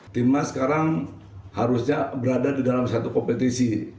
tim mas sekarang harusnya berada di dalam satu kompetisi